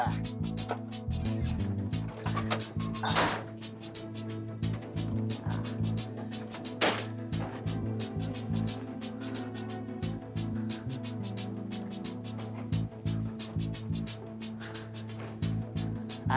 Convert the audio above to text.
nah ini mbah